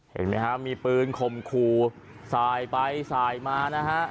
เห็นมั้ยครับมีปืนคมครูสายไปสายมานะฮะ